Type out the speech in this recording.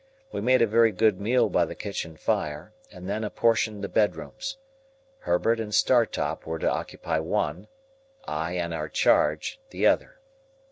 We made a very good meal by the kitchen fire, and then apportioned the bedrooms: Herbert and Startop were to occupy one; I and our charge the other.